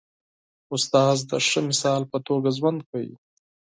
استاد د ښه مثال په توګه ژوند کوي.